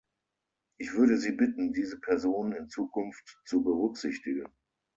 Ich würde Sie bitten, diese Personen in Zukunft zu berücksichtigen.